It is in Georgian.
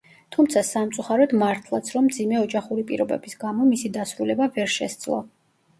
თუმცა სამწუხაროდ მართლაც, რომ მძიმე ოჯახური პირობების გამო, მისი დასრულება ვერ შესძლო.